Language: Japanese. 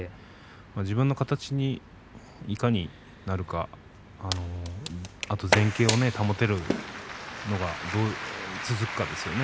自分の形に、いかになるかあと前傾を保てるのが続くかですね。